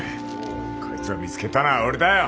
こいつを見つけたのは俺だよ！